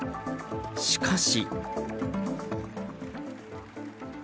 しかし。